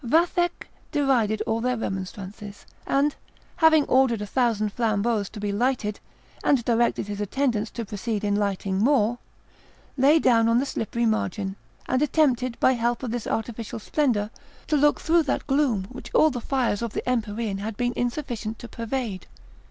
Vathek derided all their remonstrances, and, having ordered a thousand flambeaux to be lighted, and directed his attendants to proceed in lighting more, lay down on the slippery margin, and attempted, by help of this artificial splendour, to look through that gloom which all the fires of the empyrean had been insufficient to pervade.